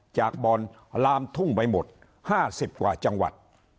จากบ่อนลามทุ่งไปหมด๕๐กว่าจังหวัด